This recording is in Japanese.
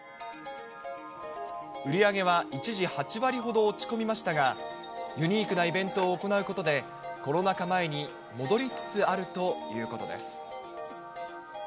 売り上げは一時８割ほど落ち込みましたが、ユニークなイベントを行うことで、コロナ禍前に戻りつつあるということです。